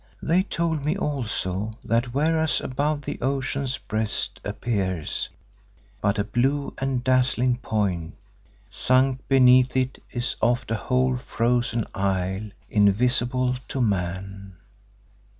They told me also that whereas above the ocean's breast appears but a blue and dazzling point, sunk beneath it is oft a whole frozen isle, invisible to man.